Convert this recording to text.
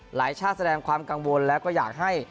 ชาติแสดงความกังวลแล้วก็อยากให้